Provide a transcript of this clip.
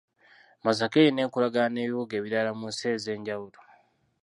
Masaka erina enkolagana n’ebibuga ebirala mu nsi ez’enjawulo.